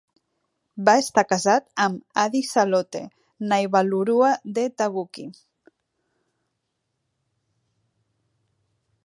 Va estar casat amb Adi Salote Naivalurua de Tavuki.